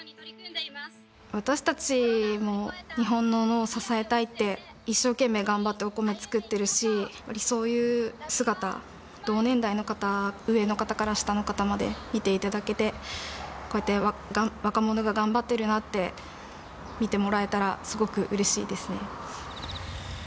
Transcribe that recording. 私たちも日本の農を支えたいって一生懸命頑張ってお米作ってるしやっぱりそういう姿同年代の方上の方から下の方まで見て頂けてこうやって若者が頑張ってるなって見てもらえたらすごくうれしいですね。